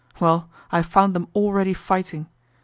Well, I found them already fighting.